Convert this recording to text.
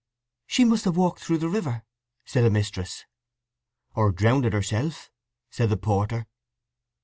"She must have walked through the river!" said a mistress. "Or drownded herself," said the porter.